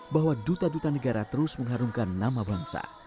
bahwa duta duta negara terus mengharumkan nama bangsa